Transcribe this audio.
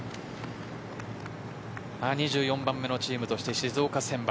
２４番目のチームとして静岡選抜。